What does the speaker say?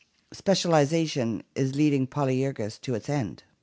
"Specialization is leading Polyergus to its end!"